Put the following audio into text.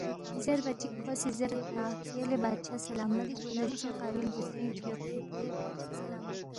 زیربا چِک کھو سی زیریدپا، یلے بادشاہ سلامت، دیژے قابل بُوسترِنگ چی یودسُوک